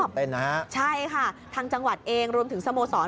เป็นนะฮะใช่ค่ะทางจังหวัดเองรวมถึงสโมสร